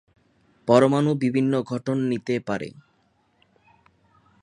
পরমাণু বিভিন্ন গঠন নিতে পারে।